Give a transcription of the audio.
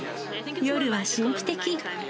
夜は神秘的。